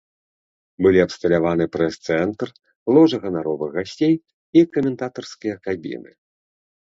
Былі абсталяваны прэс-цэнтр, ложа ганаровых гасцей і каментатарскія кабіны.